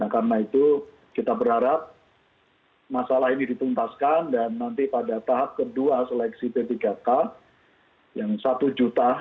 karena itu kita berharap masalah ini dituntaskan dan nanti pada tahap kedua seleksi p tiga k yang satu juta cukup besar sekali dan kelihatannya baru pertama kali ini kita akan menyelenggarakan seleksi yang sangat kolosal dan sangat besar ini